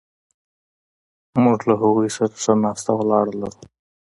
موږ له هغوی سره ښه ناسته ولاړه لرو.